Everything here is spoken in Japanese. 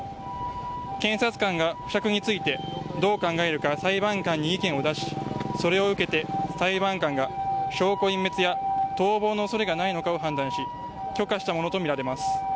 検察官が保釈についてどう考えるか裁判官に意見を出しそれを受けて裁判官が証拠隠滅や逃亡の恐れがないのかを判断し許可したものとみられます。